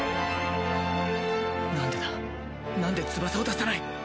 何でだ何で翼を出さない？